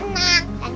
nemainin aku berenang